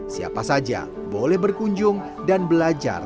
siapa saja boleh berkunjung dan belajar